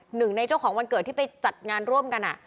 หนึ่งในเจ้าของวันเกิดที่ไปจัดงานร่วมกัน